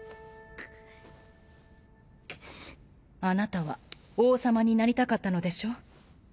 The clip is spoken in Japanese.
あなたは王様になりたかったのでしょう？